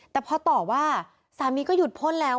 แต่พอต่อว่าสามีก็หยุดพ่นแล้ว